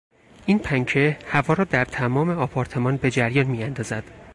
این پنکه هوا را در تمام آپارتمان به جریان میاندازد.